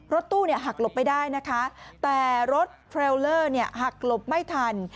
รถตู้หักหลบไปได้นะคะแต่รถเทรลเลอร์หักหลบไม่ทัน